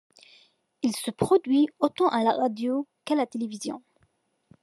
Il se produit autant à la radio qu'à la télévision.